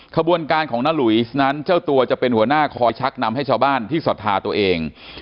ขบวนการของนาลุยนั้นเจ้าตัวจะเป็นหัวหน้าคอยชักนำให้ชาวบ้านที่ศรัทธาตัวเอง